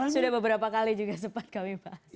sudah beberapa kali juga sempat kami bahas